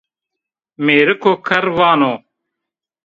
Mêriko kerr vano